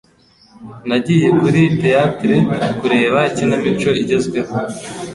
Nagiye kuri theatre kureba ikinamico igezweho.